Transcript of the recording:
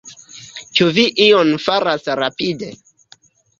Ĉu vi ion faras rapide?